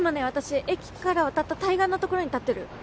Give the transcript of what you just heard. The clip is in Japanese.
私駅から渡った対岸の所に立ってる。